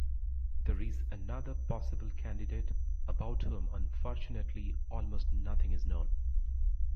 There is another possible candidate, about whom, unfortunately, almost nothing is known.